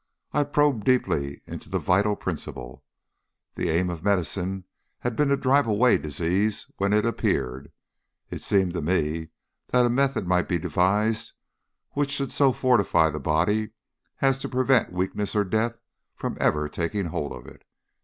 I probed deeply into the vital principle. The aim of medicine had been to drive away disease when it appeared. It seemed to me that a method might be devised which should so fortify the body as to prevent weakness or death from ever taking hold of it.